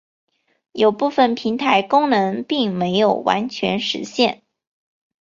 有部分平台功能并没有完全实现。